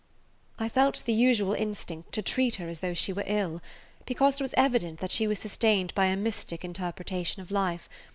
I felt the usual instinct to treat her as though she were ill, because it was evident that she was sustained by a mystic interpretation of life.